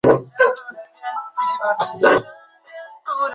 黑胶海龙的图片